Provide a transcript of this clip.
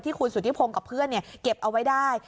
ที่คุณสุธิพงษ์กับเพื่อนเนี้ยเก็บเอาไว้ได้